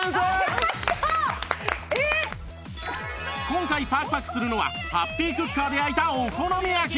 今回パクパクするのはハッピークッカーで焼いたお好み焼き